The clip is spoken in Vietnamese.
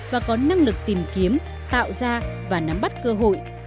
và có năng lực tìm kiếm tạo ra và nắm bắt cơ hội